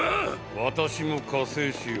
私も加勢しよう。